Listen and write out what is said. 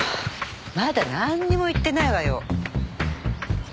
まだなんにも言ってないわよ。